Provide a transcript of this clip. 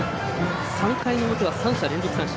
３回の表は３者連続三振。